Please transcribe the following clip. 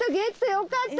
よかった。